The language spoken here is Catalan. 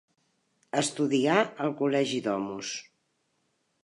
Estudià al col·legi Domus.